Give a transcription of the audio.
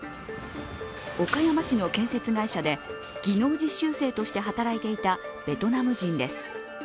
岡山市の建設会社で技能実習生として働いていたベトナム人です。